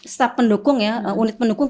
staff pendukung ya unit pendukung ya